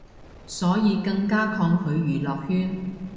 所以更加抗拒娛樂圈